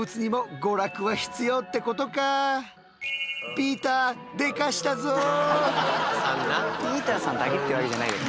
ピーターさんだけってわけじゃないけど。